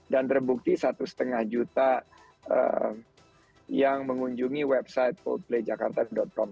dan terbukti satu lima juta yang mengunjungi website coldplayjakarta com